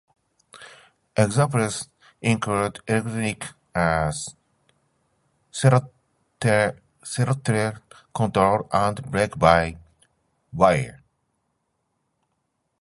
Examples include electronic throttle control and brake-by-wire.